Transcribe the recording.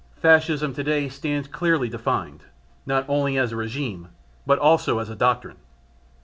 Fascism today stands clearly defined not only as a regime, but also as a doctrine.